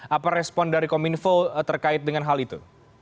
apa respon dari kominfo terkait dengan hal itu